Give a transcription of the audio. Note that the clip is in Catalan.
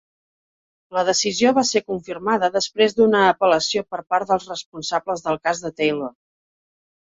La decisió va ser confirmada després d'una apel·lació per part dels responsables del cas de Taylor.